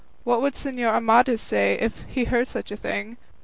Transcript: What would Señor Amadis say if he heard of such a thing?